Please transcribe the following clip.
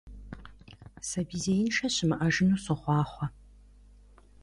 Сабий зеиншэ щымыӀэжыну сохъуахъуэ!